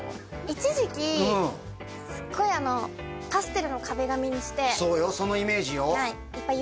一時期すごいパステルの壁紙にしてそうよそのイメージよはいいっぱい